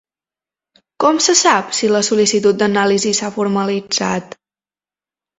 Com se sap si la sol·licitud d'anàlisi s'ha formalitzat?